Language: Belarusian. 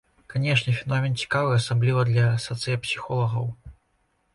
Канешне, феномен цікавы, асабліва для сацыяпсіхолагаў.